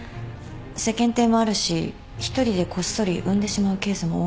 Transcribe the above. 世間体もあるし一人でこっそり産んでしまうケースも多いって。